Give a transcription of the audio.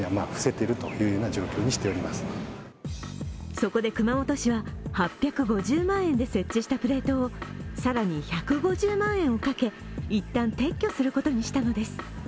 そこで熊本市は、８５０万円で設置したプレートを更に１５０万円をかけ、一旦撤去することにしたのです。